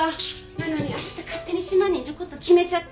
なのにあなた勝手に島にいること決めちゃって。